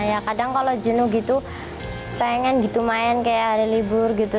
ya kadang kalau jenuh gitu pengen gitu main kayak hari libur gitu